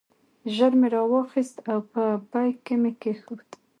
ژر مې راواخیست او په بیک کې مې کېښود.